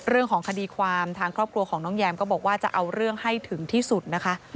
เรื่องของคดีความทางครอบครัวของน้องแยมก็บอกว่าจะเอาเรื่องให้ถึงที่สุดนะคะ